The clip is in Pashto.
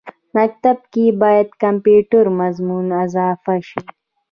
مکتب کښې باید کمپیوټر مضمون اضافه شي